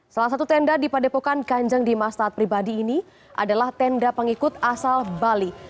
salah satu tenda di padepokan kanjeng dimas taat pribadi ini adalah tenda pengikut asal bali